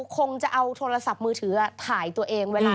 คงจะเอาโทรศัพท์มือถือถ่ายตัวเองเวลา